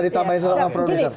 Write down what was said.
ditambahin soal mbak profesor